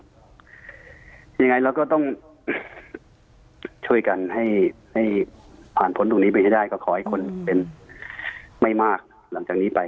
ยังไงเราก็ต้องช่วยกันให้ผ่านพ้นตรงนี้ไปให้ได้ก็ขอให้คนเป็นไม่มากหลังจากนี้ไป